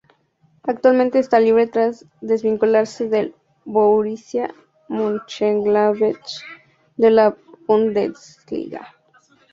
Actualmente está libre tras desvincularse del Borussia Mönchengladbach de la Bundesliga.